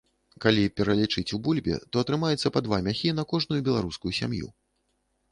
Калі пералічыць у бульбе, то атрымаецца па два мяхі на кожную беларускую сям'ю.